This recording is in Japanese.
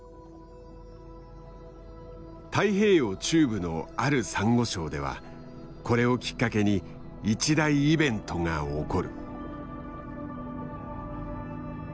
太平洋中部のあるサンゴ礁ではこれをきっかけに一大イベントが起こる。